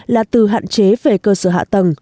là từ hạn chế về cơ sở hạ tầng